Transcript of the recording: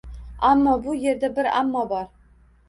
Ammo bu yerda bir «ammo» bor!